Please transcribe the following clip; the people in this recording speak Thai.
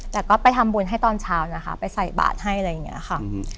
แต่ก็ไปทำบุญให้ตอนเช้านะคะไปใส่บาทให้อะไรอย่างนี้ค่ะ